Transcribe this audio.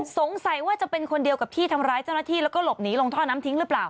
สงสัยว่าจะเป็นคนเดียวกับที่ทำร้ายเจ้าหน้าที่แล้วก็หลบหนีลงท่อน้ำทิ้งหรือเปล่า